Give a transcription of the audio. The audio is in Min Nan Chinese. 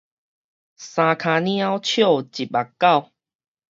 三跤貓笑一目狗